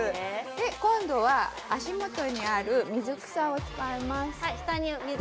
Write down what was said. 今度は足元にある水草を使います。